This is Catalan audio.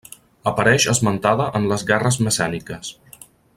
Apareix esmentada en les guerres messèniques.